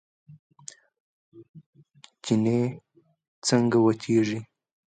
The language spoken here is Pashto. چينې څنګه وچیږي؟